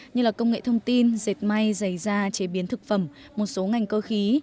như là công nghệ thông tin dệt may dày da chế biến thực phẩm một số ngành cơ khí